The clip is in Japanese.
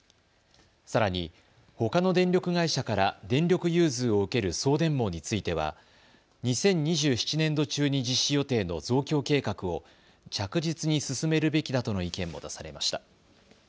さらに、ほかの電力会社から電力融通を受ける送電網については２０２７年度中に実施予定の増強計画を着実に進めるべきだとの意見も出されました。